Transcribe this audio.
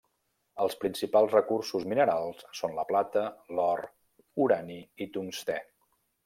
Els principals recursos minerals són la plata, l'or, urani i tungstè.